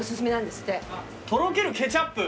とろけるケチャップ！